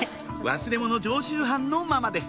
忘れ物常習犯のママです